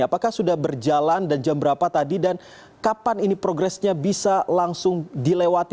apakah sudah berjalan dan jam berapa tadi dan kapan ini progresnya bisa langsung dilewati